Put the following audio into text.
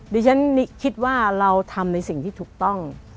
ดิฉันคิดว่าเราทำในสิ่งที่ถูกต้อง